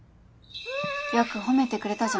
よく褒めてくれたじゃん。